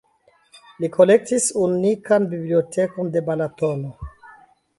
Li kolektis unikan bibliotekon de Balatono.